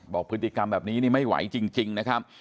บอกพฤติกรรมแบบนี้นี่ไม่ไหวจริงนะครับ